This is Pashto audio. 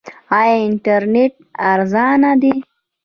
آیا انټرنیټ ارزانه دی؟